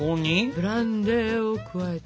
ブランデーを加えて。